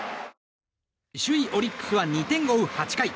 首位オリックスは２点を追う８回。